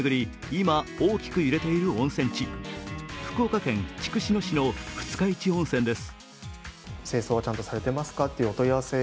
今、大きく揺れている温泉地、福岡県筑紫野市の二日市温泉です。